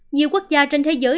nhiều quốc gia trên thế giới